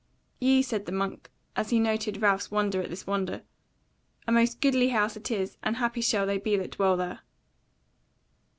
"Yea," said the monk, as he noted Ralph's wonder at this wonder; "a most goodly house it is, and happy shall they be that dwell there."